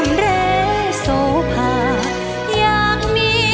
โปรดติดตามตอนต่อไป